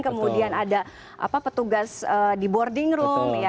kemudian ada petugas di boarding room ya